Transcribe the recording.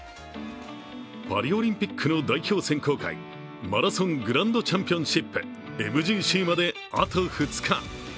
パリオリンピックの代表選考会、マラソングランドチャンピオンシップ、ＭＧＣまであと２日。